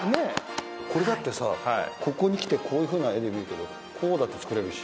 これだってさここに来てこういうふうな画で見るけどこうだって作れるし。